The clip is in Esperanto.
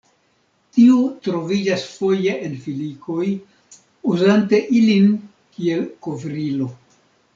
Tiu troviĝas foje en filikoj, uzante ilin kiel kovrilo.